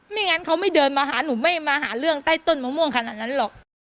ไม่งั้นเขาไม่เดินมาหาหนูไม่มาหาเรื่องใต้ต้นมะม่วงขนาดนั้นหรอก